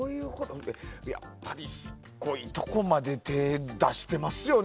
やっぱりすごいところまで手を出してますよね。